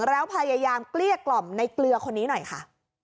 แล้วพยายามเกลี้ยกล่อมในเกลือคนนี้หน่อยค่ะ